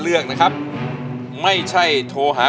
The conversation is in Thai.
เพลงนี้ที่๕หมื่นบาทแล้วน้องแคน